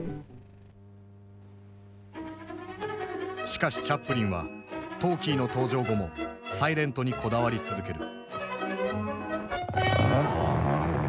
しかしチャップリンはトーキーの登場後もサイレントにこだわり続ける。